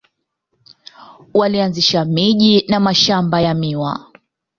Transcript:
Walianzisha miji na mashamba ya miwa.